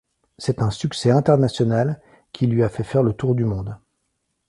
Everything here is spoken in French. C'est un succès international qui lui a fait faire le tour du monde.